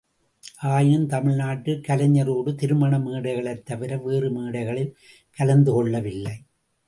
ஆயினும் தமிழ் நாட்டில் கலைஞரோடு திருமண மேடைகளைத் தவிர வேறு மேடைகளில் கலந்து கொள்ளவில்லை.